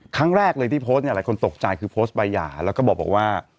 ครั้งแรกเลยที่โพสต์เนี่ยหลายคนตกใจคือโพสต์ใบหย่าแล้วก็บอกว่า